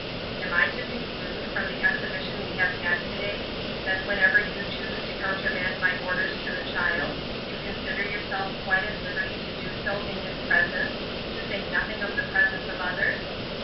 " Am I to conclude, from the exhibition we have had to day, that whenever you choose to countermand my orders to the child, you consider yourself quite at liberty to do so in his presence, to say nothing of the presence of others